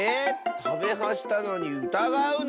「たべは」したのにうたがうの？